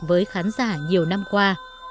với khán giả nhiều năm qua